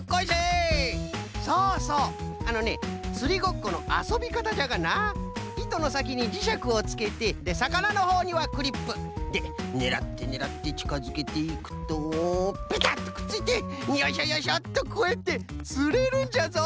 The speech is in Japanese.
そうそうあのねつりごっこのあそびかたじゃがないとのさきにじしゃくをつけてでさかなのほうにはクリップ。でねらってねらってちかづけていくとピタッとくっついてよいしょよいしょとこうやってつれるんじゃぞ！